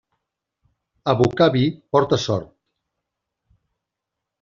Abocar vi porta sort.